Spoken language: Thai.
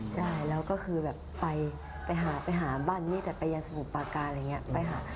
ใช่แล้วก็คือแบบไปไปหาบ้านนี้แต่ไปยานสมุปากาอะไรอย่างเนี่ย